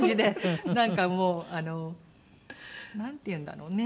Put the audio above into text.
なんかもうあのなんていうんだろうね？